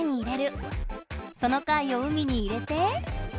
その貝を海に入れて。